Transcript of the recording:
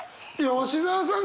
吉澤さん